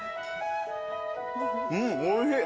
うんおいしい。